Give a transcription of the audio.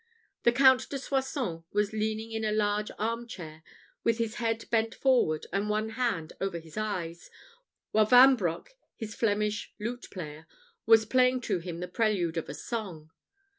The Count de Soissons was leaning in a large arm chair, with his head bent forward, and one hand over his eyes, while Vanbroc, his Flemish lute player, was playing to him the prelude of a song.